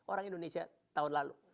orang indonesia tahun lalu